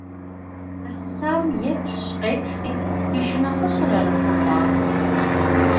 Къылъысам еплъщ-къеплъри, ди шынэхъыщӀэр арэзы хъуакъым.